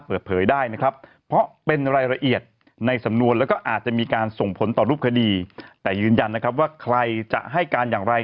ต่อรูปคดีแต่ยืนยันนะครับว่าใครจะให้การอย่างไร